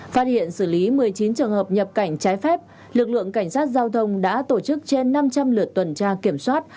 phát hiện xử lý một mươi chín trường hợp nhập cảnh trái phép lực lượng cảnh sát giao thông đã tổ chức trên năm trăm linh lượt tuần tra kiểm soát